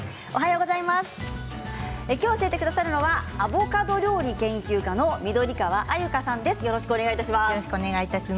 今日、教えてくださるのはアボカド料理研究家の緑川鮎香さんです。